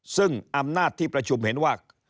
ซึ่งอำนาจที่ประชุมเห็นว่า